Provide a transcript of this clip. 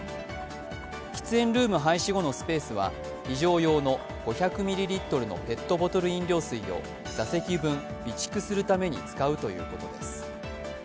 喫煙ルーム廃止後のスペースは非常用の５００ミリリットルのペットボトル飲料水を座席分、備蓄するために使うということです。